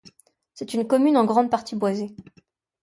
C’est une commune en grande partie boisée.